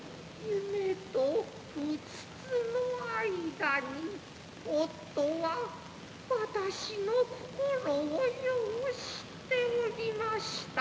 夢とうつつの間に夫は私の心をよう知っておりました。